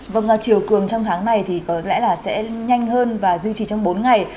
vâng chiều cường trong tháng này thì có lẽ là sẽ nhanh hơn và duy trì trong bốn ngày